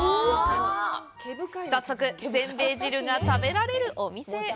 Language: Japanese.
早速、せんべい汁が食べられるお店へ！